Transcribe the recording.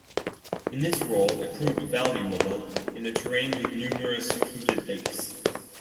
In this role, it proved valuable in a terrain with numerous secluded lakes.